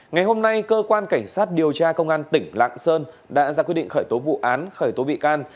ngày hôm nay cơ quan cảnh sát điều tra công an tỉnh lạng sơn đã ra quyết định khởi tố vụ án khởi tố bị can